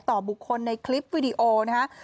ต่อบุคคลในคลิปวิดีโอนะครับ